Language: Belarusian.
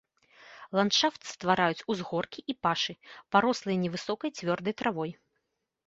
Ландшафт ствараюць узгоркі і пашы, парослыя невысокай цвёрдай травой.